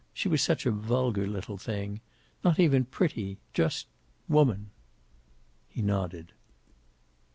She was such a vulgar little thing. Not even pretty. Just woman." He nodded.